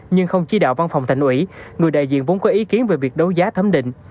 nhưng không chỉ đạo văn phòng thành ủy người đại diện vốn có ý kiến về việc đấu giá thấm định